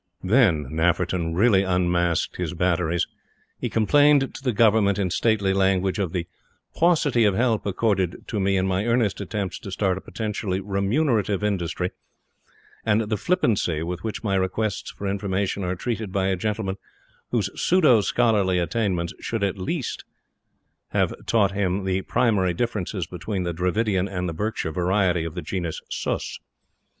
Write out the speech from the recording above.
THEN Nafferton really unmasked his batteries! He complained to the Government, in stately language, of "the paucity of help accorded to me in my earnest attempts to start a potentially remunerative industry, and the flippancy with which my requests for information are treated by a gentleman whose pseudo scholarly attainments should at lest have taught him the primary differences between the Dravidian and the Berkshire variety of the genus Sus.